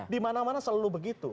di mana mana selalu begitu